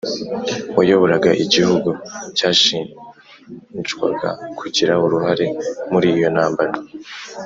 wayoboraga igihugu cyashinjwaga kugira uruhare muri iyo ntambara.